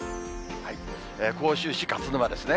甲州市勝沼ですね。